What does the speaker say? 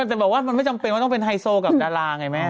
แต่บอกว่ามันไม่จำเป็นว่าต้องเป็นไฮโซกับดาราไงแม่